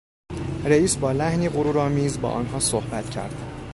رئیس بالحنی غرور آمیز با آنها صحبت کرد.